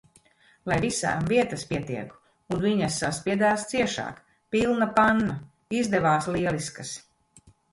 Lai visām vietas pietiek! Un viņas saspiedās ciešāk, pilna panna. Izdevās lieliskas.